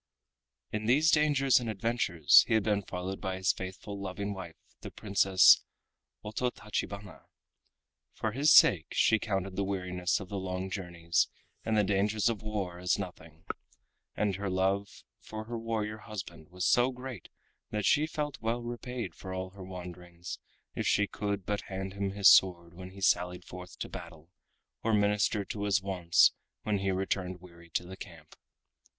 In these dangers and adventures he had been followed by his faithful loving wife the Princess Ototachibana. For his sake she counted the weariness of the long journeys and the dangers of war as nothing, and her love for her warrior husband was so great that she felt well repaid for all her wanderings if she could but hand him his sword when he sallied forth to battle, or minister to his wants when he returned weary to the camp.